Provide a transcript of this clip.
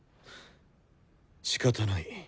しかたない。